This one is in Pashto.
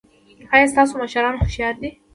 ایا ستاسو مشران هوښیار دي؟